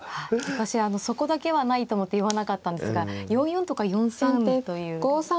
私そこだけはないと思って言わなかったんですが４四とか４三という符号が挙がってましたね。